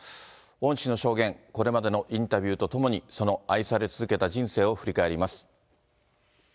恩師の証言、これまでのインタビューとともに、その愛され続けた人生を振り返ります。